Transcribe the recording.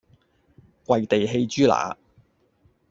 跪地餼豬乸